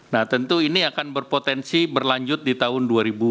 nah tentu ini akan berpotensi berlanjut di tahun dua ribu dua puluh